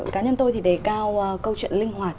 cá nhân tôi thì đề cao câu chuyện linh hoạt